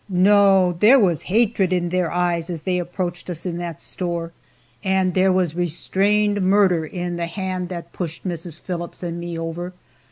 No! There was hatred in their eyes as they approached us in that store, and there was restrained murder in the hand that pushed Mrs. Phillips and me over.